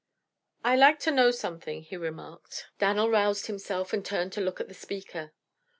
"I like to know something," he remarked. Dan'l roused himself and turned to look at the speaker.